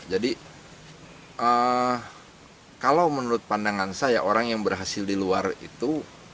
jadi kalau menurut pandangan saya orang yang berhasil di luar itu